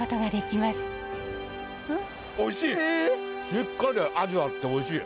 しっかり味があっておいしい。